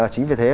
chính vì thế